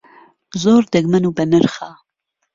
زۆر دەگمەن و بەنرخە.